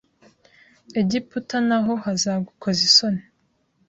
Egiputa na ho haza gukoza isoni